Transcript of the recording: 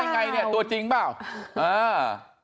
ได้ไงเนี่ยตัวจริงหรือเปล่า